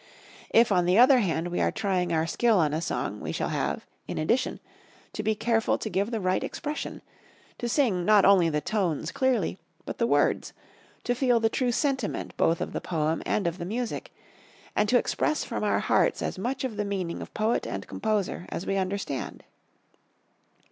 If, on the other hand, we are trying our skill on a song, we shall have, in addition, to be careful to give the right expression, to sing not only the tones clearly, but the words, to feel the true sentiment both of the poem and of the music, and to express from our hearts as much of the meaning of poet and composer as we understand.